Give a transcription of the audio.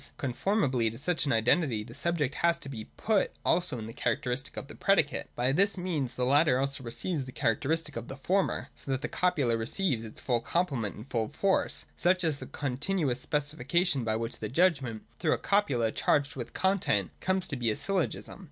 Conformably to such an identity the subject has to be put also in the characteristic of the predicate. By this means the latter also receives the characteristic of the former : so that the copula receives its full complement and full force. Such is the continuous specification by which the judgment, through a copula charged with content, comes to be a syllogism.